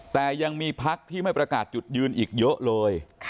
แต่ยังมีพักที่ไม่ประกาศจุดยืนอีกเยอะเลย